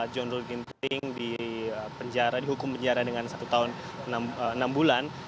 john ruh ginting dihukum penjara dengan satu tahun enam bulan